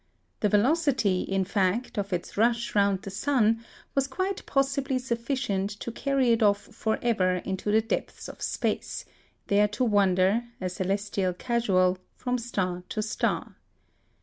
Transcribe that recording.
The velocity, in fact, of its rush round the sun was quite possibly sufficient to carry it off for ever into the depths of space, there to wander, a celestial casual, from star to star.